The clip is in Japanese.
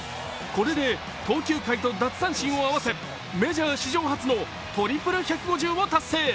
これで投球回と奪三振を合わせメジャー史上初のトリプル１５０を達成。